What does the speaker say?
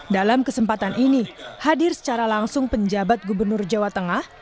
dalam kesempatan ini hadir secara langsung penjabat gubernur jawa tengah